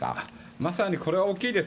まさにこれは大きいです。